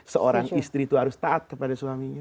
seorang istri itu harus taat kepada suaminya